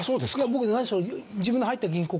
僕何しろ自分の入った銀行